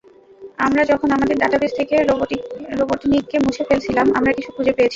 আমরা যখন আমাদের ডাটাবেস থেকে রোবটনিককে মুছে ফেলছিলাম, আমরা কিছু খুঁজে পেয়েছি।